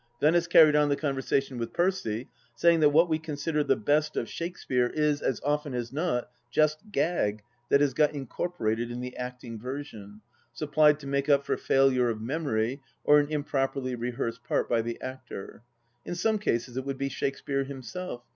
Venice carried on the conversation with Percy, saying that what we consider the best of Shakespeare is, as often as not, just " §^S>" t^^t "^^s got incorporated in the acting version, supplied to make up for failure of memory or an im properly rehearsed part by the actor. In some cases it would be Shakespeare himself.